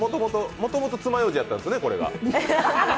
もともとつまようじやったんですね、これが。